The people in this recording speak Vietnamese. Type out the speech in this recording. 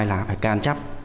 hai lá phải can chắp